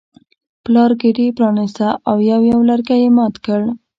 پلار ګېډۍ پرانیسته او یو یو لرګی یې مات کړ.